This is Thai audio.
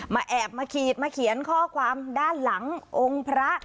แอบมาขีดมาเขียนข้อความด้านหลังองค์พระ